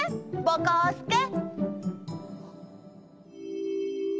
ぼこすけ。